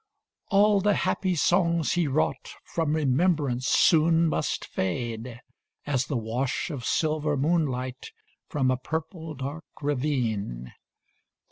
All the happy songs he wrought From remembrance soon must fade, As the wash of silver moonlight 15 From a purple dark ravine.